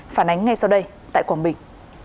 phản ánh ngay sau đây tại quảng bình